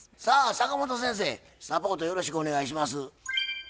さあ坂本先生サポートよろしくお願いします。